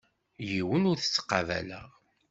Yiwen ur t-ttqabaleɣ.